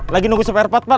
lagi nunggu spare part pak